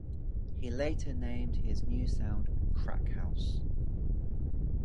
He later named his new sound "crack house".